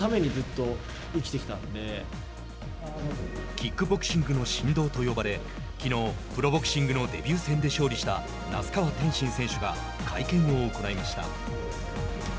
キックボクシングの神童と呼ばれきのうプロボクシングのデビュー戦で勝利した那須川天心選手が会見を行いました。